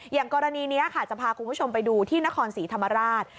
อย่างกรณีนี้ค่ะจะพาคุณผู้ชมไปดูที่นครศรีธรรมราช